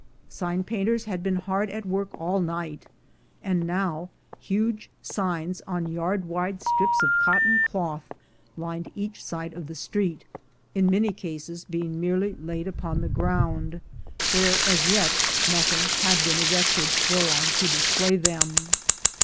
Sign painters had been hard at work all night, and now huge signs on yard wide strips of cotton cloth lined each side of the street, in many cases being merely laid upon the ground, where as yet nothing had been erected whereon to display them.